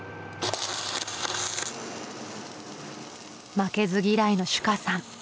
負けず嫌いの珠夏さん。